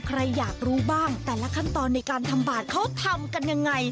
ใครอยากรู้บ้างแต่ละขั้นตอนในการทำบาทเขาทำกันยังไง